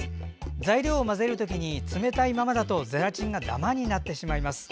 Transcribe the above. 材料を混ぜる時に冷たいままだとゼラチンがダマになってしまいます。